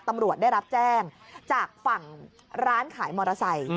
ตำรวจได้รับแจ้งจากฝั่งร้านขายมอเตอร์ไซค์